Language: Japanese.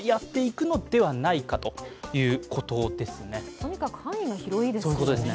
とにかく範囲が広いですよね。